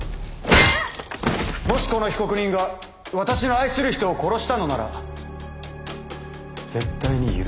もしこの被告人が私の愛する人を殺したのなら絶対に許さない。